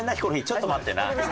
ちょっと待ってな。